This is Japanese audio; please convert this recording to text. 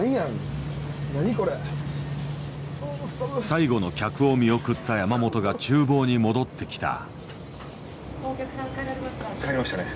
最後の客を見送った山本が厨房に戻ってきた。